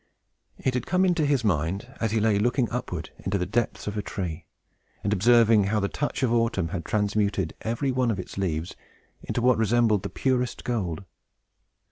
It had come into his mind as he lay looking upward into the depths of a tree, and observing how the touch of Autumn had transmuted every one of its green leaves into what resembled the purest gold.